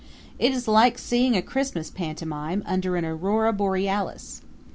It is like seeing a Christmas pantomime under an aurora borealis.